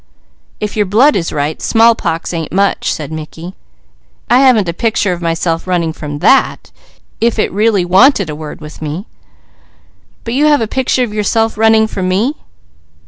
"If your blood is right, smallpox ain't much," said Mickey. "I haven't a picture of myself running from that, if it really wanted a word with me." "But you have a picture of yourself running from me?"